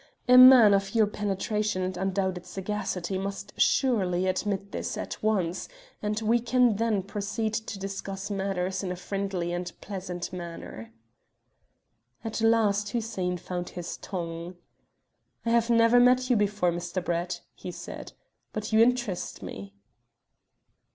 A man of your penetration and undoubted sagacity must surely admit this at once, and we can then proceed to discuss matters in a friendly and pleasant manner." At last Hussein found his tongue. "I have never met you before, Mr. Brett," he said, "but you interest me."